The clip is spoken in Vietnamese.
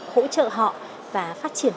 hỗ trợ họ và phát triển